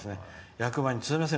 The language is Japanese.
役場に、すいません